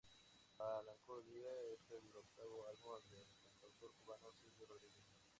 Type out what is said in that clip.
Melancolía es el octavo álbum del cantautor cubano Silvio Rodríguez.